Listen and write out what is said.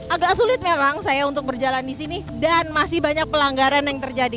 agak sulit memang saya untuk berjalan di sini dan masih banyak pelanggaran yang terjadi